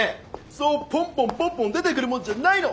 そうポンポンポンポン出てくるもんじゃないの！